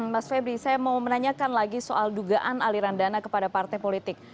mas febri saya mau menanyakan lagi soal dugaan aliran dana kepada partai politik